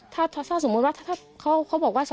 เพราะฉะนั้นไม่เกี่ยวแน่